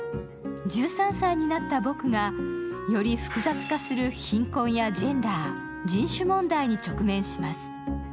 １３歳になったぼくがより複雑化する貧困やジェンダー人種問題に直面します。